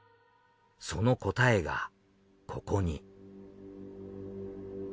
その答えがここに。